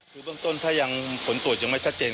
คือเบื้องต้นถ้ายังผลตรวจยังไม่ชัดเจน